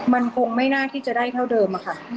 มันคงไม่น่าที่จะได้เท่าเดิมอะค่ะ